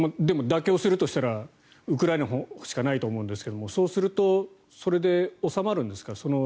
でも、妥協するとしたらウクライナしかないと思うんですがそうするとそれで収まるんですか。